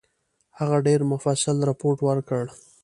هغه ډېر مفصل رپوټ ورکړ.